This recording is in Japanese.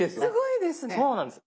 すごいですよね。